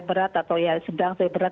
berat atau ya sedang saya berat